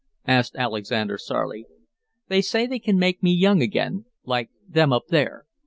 asked Alexander sourly. "They say they can make me young again. Like them up there.